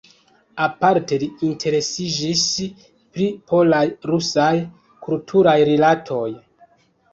Aparte li interesiĝis pri polaj-rusaj kulturaj rilatoj.